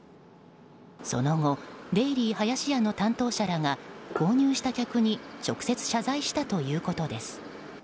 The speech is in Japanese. その後デイリーはやしやの担当者らが購入した客に直接、謝罪したということです。